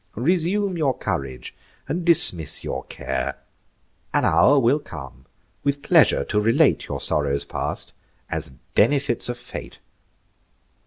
Resume your courage and dismiss your care, An hour will come, with pleasure to relate Your sorrows past, as benefits of Fate.